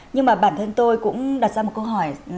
nhưng mà bản thân tôi cũng đặt ra một câu hỏi